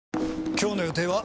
今日の予定は？